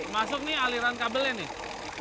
masuk nih aliran kabelnya nih